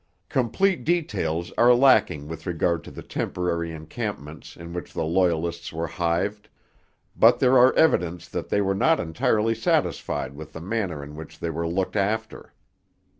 Complete details are lacking with regard to the temporary encampments in which the Loyalists were hived; but there are evidences that they were not entirely satisfied with the manner in which they were looked after.